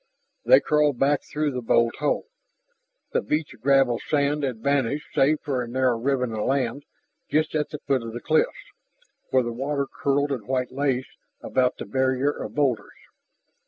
They crawled back through the bolt hole. The beach of gravel sand had vanished save for a narrow ribbon of land just at the foot of the cliffs, where the water curled in white lace about the barrier of boulders.